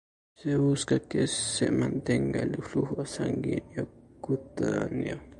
Se busca que se mantenga el flujo sanguíneo cutáneo.